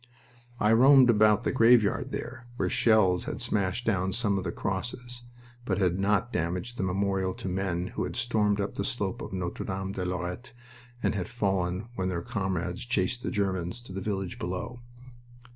I roamed about a graveyard there, where shells had smashed down some of the crosses, but had not damaged the memorial to the men who had stormed up the slope of Notre Dame de Lorette and had fallen when their comrades chased the Germans to the village below.